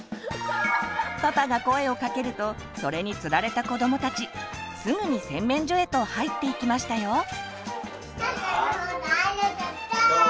パパが声をかけるとそれに釣られた子どもたちすぐに洗面所へと入っていきましたよ。